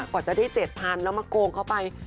กว่าจะได้๗๐๐๐แล้วมาโกงเขาไป